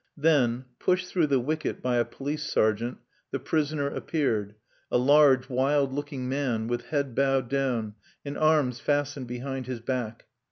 Then, pushed through the wicket by a police sergeant, the prisoner appeared, a large wild looking man, with head bowed down, and arms fastened behind his back.